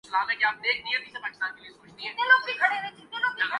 سابق وزیراعظم کی مشیر خزانہ کو انفرادی انکم ٹیکس میں فوری کمی کی ہدایت